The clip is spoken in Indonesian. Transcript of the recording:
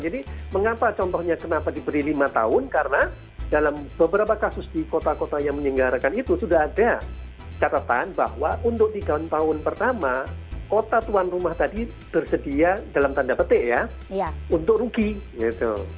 jadi mengapa contohnya kenapa diberi lima tahun karena dalam beberapa kasus di kota kota yang menyelenggarakan itu sudah ada catatan bahwa untuk tiga tahun pertama kota tuan rumah tadi bersedia dalam tanda petik ya untuk rugi gitu